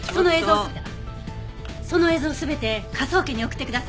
その映像を全て科捜研に送ってください。